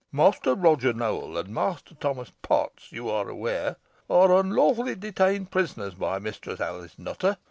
Master Roger Nowell and Master Thomas Potts, you are aware, are unlawfully detained prisoners by Mistress Alice Nutter.